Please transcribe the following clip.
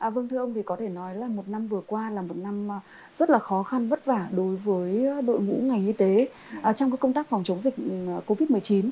vâng thưa ông thì có thể nói là một năm vừa qua là một năm rất là khó khăn vất vả đối với đội ngũ ngành y tế trong công tác phòng chống dịch covid một mươi chín